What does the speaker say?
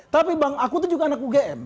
tapi bang aku itu juga anak ugm